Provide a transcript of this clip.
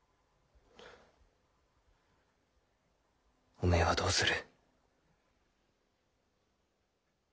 おめえはどうする？